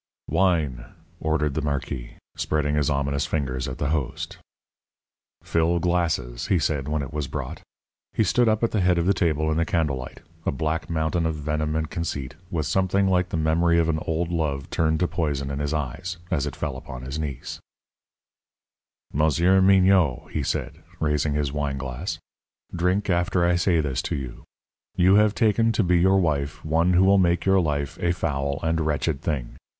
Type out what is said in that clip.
"Wine," ordered the marquis, spreading his ominous fingers at the host. "Fill glasses," he said, when it was brought. He stood up at the head of the table in the candlelight, a black mountain of venom and conceit, with something like the memory of an old love turned to poison in his eyes, as it fell upon his niece. "Monsieur Mignot," he said, raising his wineglass, "drink after I say this to you: You have taken to be your wife one who will make your life a foul and wretched thing.